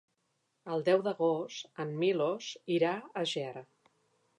El deu d'agost en Milos irà a Ger.